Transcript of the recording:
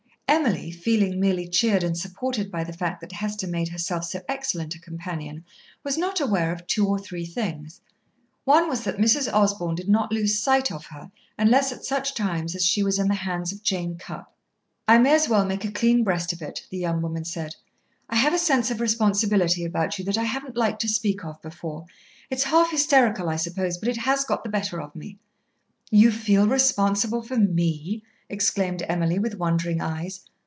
Emily, feeling merely cheered and supported by the fact that Hester made herself so excellent a companion, was not aware of two or three things. One was that Mrs. Osborn did not lose sight of her unless at such times as she was in the hands of Jane Cupp. "I may as well make a clean breast of it," the young woman said. "I have a sense of responsibility about you that I haven't liked to speak of before. It's half hysterical, I suppose, but it has got the better of me." "You feel responsible for me!" exclaimed Emily, with wondering eyes.